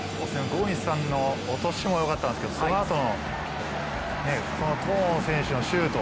ゴミスさんの落としもよかったんですけれども、そのあとの遠野選手のシュート。